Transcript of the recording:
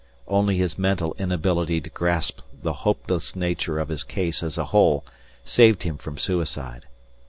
Only his mental inability to grasp the hopeless nature of his case as a whole saved him from suicide.